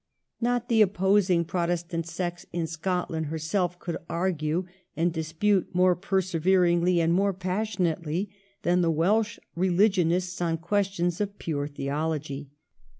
Not the opposing Protestant sects in Scotland herself could argue and dispute more perseveringly and more passionately than the Welsh reUgionists on questions of pure theology.